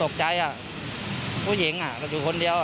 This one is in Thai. ตกใจอ่ะผู้หญิงอ่ะเขาอยู่คนเดียวอ่ะ